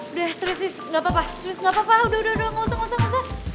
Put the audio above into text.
udah serius serius gapapa serius gapapa udah udah gausah gausah gausah